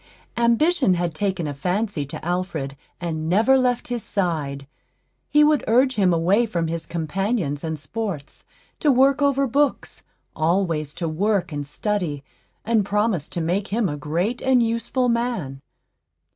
Ambition had taken a fancy to Alfred, and never left his side. He would urge him away from his companions and sports, to work over books, always to work and study, and promised to make him a great and useful man.